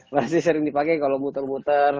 masih sering dipakai kalau muter muter